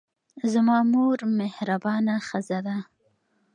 زما مور مهربانه ښځه ده.